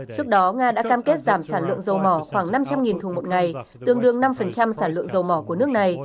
trước đó nga đã cam kết giảm sản lượng dầu mỏ khoảng năm trăm linh thùng một ngày tương đương năm sản lượng dầu mỏ của nước này